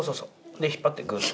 で引っ張ってグッと。